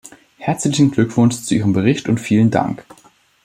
Herzlichen Glückwunsch zu Ihrem Bericht und vielen Dank!